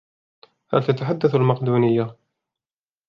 هل تتحدث المقدونية ؟